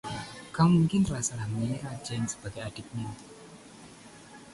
Kau mungkin telah salah mengira Jane sebagai adiknya.